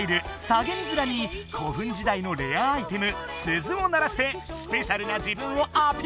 「下げみずら」に古墳時代のレアアイテム鈴を鳴らしてスペシャルな自分をアピール！